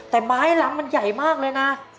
แต่ไม้ลำมันใหญ่มากเลยนะ